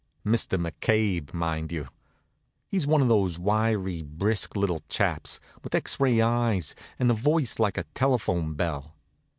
"Mister McCabe," mind you. He's one of those wiry, brisk little chaps, with x ray eyes, and a voice like a telephone bell.